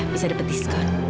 bisa dapet diskon